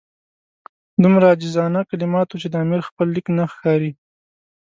دومره عاجزانه کلمات وو چې د امیر خپل لیک نه ښکاري.